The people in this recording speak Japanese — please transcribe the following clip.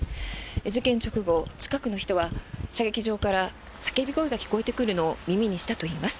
事件直後、近くの人は射撃場から叫び声が聞こえてくるのを耳にしたといいます。